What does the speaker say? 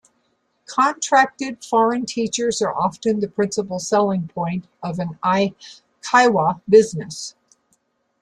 Contracted foreign teachers are often the principal selling point of an eikaiwa business.